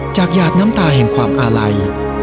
หยาดน้ำตาแห่งความอาลัย